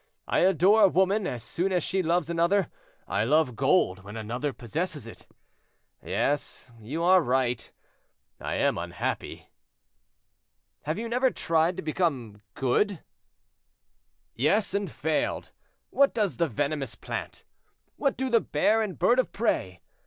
I adore a woman, as soon as she loves another; I love gold, when another possesses it;—yes, you are right, I am unhappy." "Have you never tried to become good?" "Yes, and failed. What does the venomous plant? What do the bear and bird of prey?